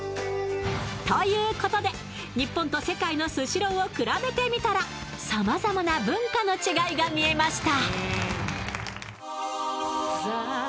ということで、日本と世界のスシローをくらべてみたらさまざまな文化の違いが見えました。